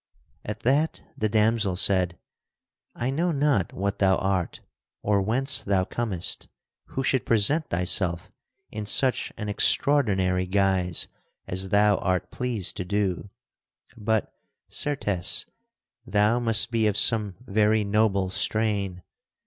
At that the damsel said: "I know not what thou art or whence thou comest who should present thyself in such an extraordinary guise as thou art pleased to do, but, certes, thou must be of some very noble strain.